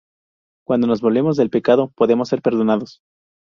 Cuando nos volvemos del pecado, podemos ser perdonados.